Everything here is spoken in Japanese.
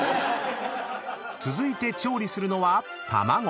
［続いて調理するのは卵］